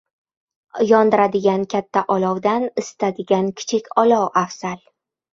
• Yondiradigan katta olovdan isitadigan kichik olov afzal.